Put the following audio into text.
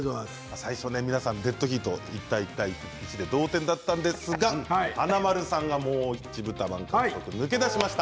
最初デッドヒート１対１対１で同点だったんですが華丸さんがもう１ぶたまん抜け出しました。